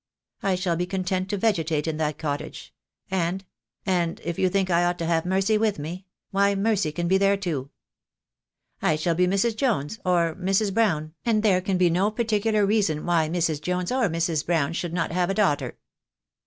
I shall be content to vegetate in that cottage — and — and if you think I ought to have Mercy with me, why Mercy can be there too. I shall be Mrs. Jones, or Mrs. Brown, and there can be no particular reason why Mrs. Jones or Mrs. Brown should not have a daughter."